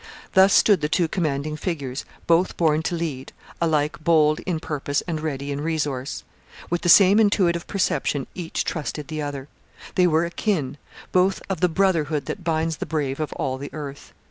Thus stood the two commanding figures, both born to lead, alike bold in purpose and ready in resource. With the same intuitive perception each trusted the other. They were akin both of the 'brotherhood that binds the brave of all the earth.'